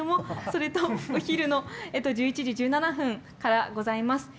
それとお昼の１１時１７分からございます。